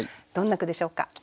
どんな句でしょうか？